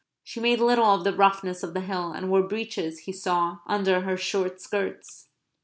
She made little of the roughness of the hill; and wore breeches, he saw, under her short skirts.